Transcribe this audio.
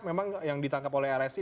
memang yang ditangkap oleh lsi